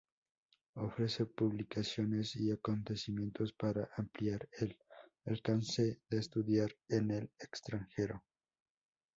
Ofrece publicaciones y acontecimientos para ampliar el alcance de estudiar en el extranjero.